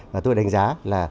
và tôi đánh giá là